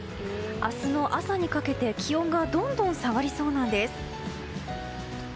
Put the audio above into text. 明日の朝にかけて、気温がどんどん下がりそうなんです。